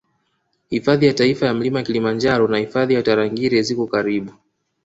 Hifadhi ya Mlima Kilimanjaro na Hifadhi ya Tarangire ziko karibu